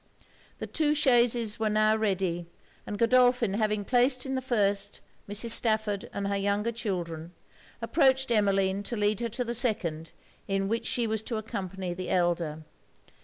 The two chaises were now ready; and Godolphin having placed in the first, Mrs. Stafford and her younger children, approached Emmeline to lead her to the second, in which she was to accompany the elder.